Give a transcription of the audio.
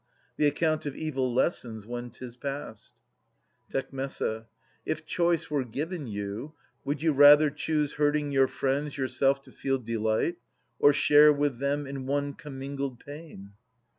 The account of evil lessens when 'tis past. Tec. If choice were given you, would you rather choose Hurting your friends, yourself to feel delight, Or share with them in one commingled pain?